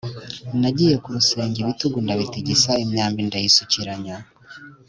nagiye ku rusenge ibitugu ndabitigisa imyambi ndayisukiranya